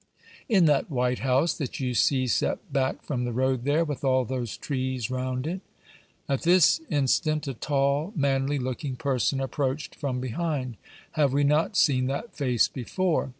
"In that white house that you see set back from the road there, with all those trees round it." At this instant a tall, manly looking person approached from behind. Have we not seen that face before?